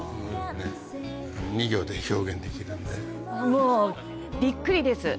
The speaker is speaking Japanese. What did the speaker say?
もうびっくりです。